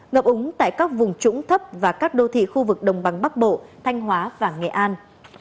ngập úng tại các vùng trũng thấp và các đô thị khu vực đồng bằng bắc bộ thanh hóa và nghệ an